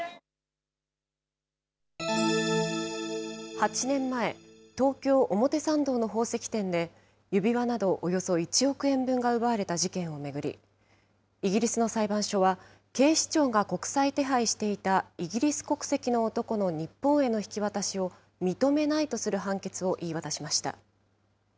８年前、東京・表参道の宝石店で、指輪などおよそ１億円分が奪われた事件を巡り、イギリスの裁判所は警視庁が国際手配していたイギリス国籍の男の日本への引き渡しを、認めないとする判決を言い渡しました。